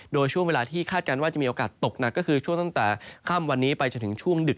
โดยช่วงเวลาที่คาดการณ์ว่าจะมีโอกาสตกหนักก็คือช่วงตั้งแต่ค่ำวันนี้ไปจนถึงช่วงดึก